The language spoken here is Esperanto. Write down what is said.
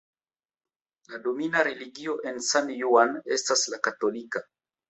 La domina religio en San Juan estas la katolika.